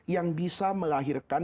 yang bisa melahirkan